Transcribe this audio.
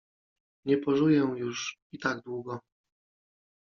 Nie pożyję już i tak długo.